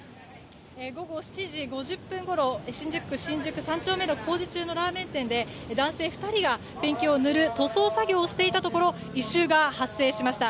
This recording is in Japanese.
午後７時５０分ごろ新宿区新宿３丁目の工事中のラーメン店で男性２人がペンキを塗る塗装作業をしていたところ異臭が発生しました。